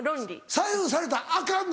左右されたらアカンの？